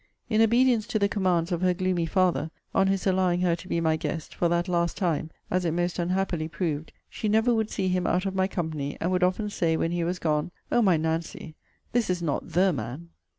In obedience to the commands of her gloomy father, on his allowing her to be my guest, for that last time, [as it most unhappily proved!] she never would see him out of my company; and would often say, when he was gone, 'O my Nancy! this is not THE man!'